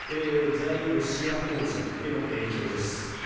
在ロシア邦人への影響です。